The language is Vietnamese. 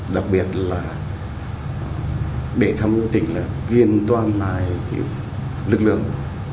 đặc biệt là để thăm tỉnh là ghiền toàn bài lực lượng